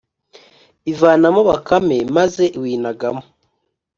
ivanamo bakame, maze iwinagamo